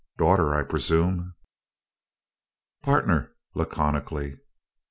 Daughter, I presume." "Pardner," laconically.